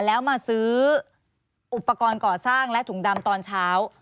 แล้วมาซื้ออุปกรณ์ก่อสร้างและถุงดำตอนเช้า